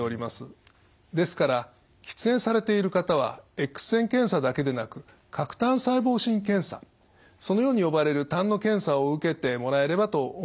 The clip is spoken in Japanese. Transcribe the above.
ですから喫煙されている方はエックス線検査だけでなく喀痰細胞診検査そのように呼ばれるたんの検査を受けてもらえればと思います。